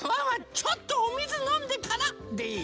ちょっとおみずのんでからでいい？